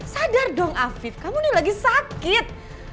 sadar dong afif kamu ini lagi sakit